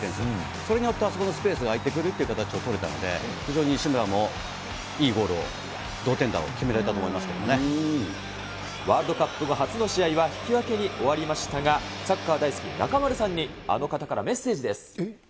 それによってあそこのスペースが空いてくるっていう形を取れたので、非常に西村も、いいゴールを、同点弾を決められたと思いますけワールドカップ後、初の試合は引き分けに終わりましたが、サッカー大好き、中丸さんにあの方からメッセージです。